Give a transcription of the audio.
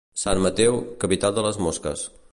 Sant Mateu, capital de les mosques.